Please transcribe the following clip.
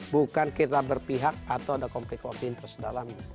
bukan kita berpihak atau ada komplit komplit terus dalamnya